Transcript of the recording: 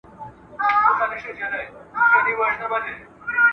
له زر او مځکي سره د ښځي نوم هم